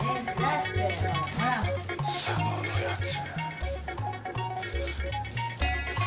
佐野のやつ。